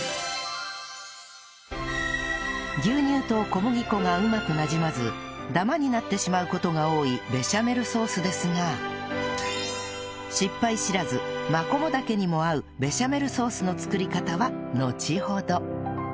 牛乳と小麦粉がうまくなじまずダマになってしまう事が多いベシャメルソースですが失敗知らずマコモダケにも合うベシャメルソースの作り方はのちほど